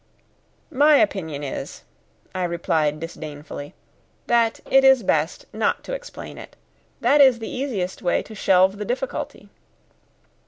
"My opinion is," I replied disdainfully, "that it is best not to explain it. That is the easiest way to shelve the difficulty."